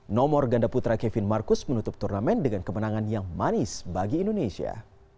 nomor ganda putra kevin marcus menutup turnamen dengan kemenangan yang manis bagi indonesia